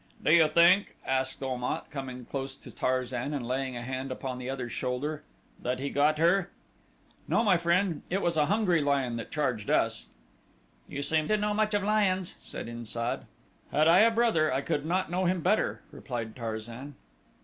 "Do you think," asked Om at, coming close to Tarzan and laying a hand upon the other's shoulder, "that he got her?" "No, my friend; it was a hungry lion that charged us." "You seem to know much of lions," said In sad. "Had I a brother I could not know him better," replied Tarzan.